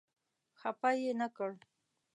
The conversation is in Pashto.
خپه یې نه کړ.